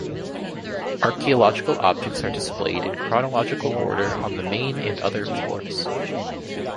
Archaeological objects are displayed in chronological order on the main and other floors.